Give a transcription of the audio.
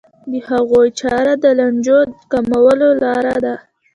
د هغوی چاره د لانجو کمولو لاره ده.